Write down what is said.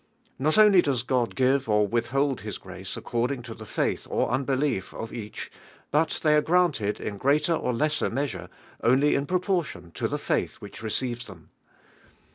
Not only does Cod give or withhold His grace ac cording to the faith or unbelief of each, bnt they are granted in greater or lesser measure, only in proportion to the faith which receives them.